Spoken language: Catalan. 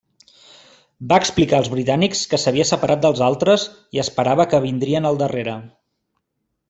Va explicar als britànics que s'havia separat dels altres i esperava que vindrien al darrere.